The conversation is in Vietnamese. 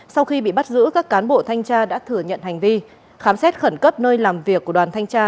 sau khi bị bắt giữ các cán bộ thanh tra đã thừa nhận hành vi khám xét khẩn cấp nơi làm việc của đoàn thanh tra